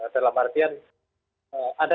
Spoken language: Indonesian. dalam artian ada kegelisahannya